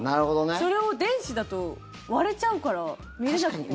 それを電子だと割れちゃうから見れなくて。